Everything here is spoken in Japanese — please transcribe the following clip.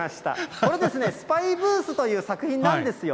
これ、スパイブースという作品なんですよ。